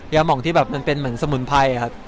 หมองที่แบบมันเป็นเหมือนสมุนไพรครับ